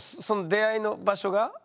出会いの場所が？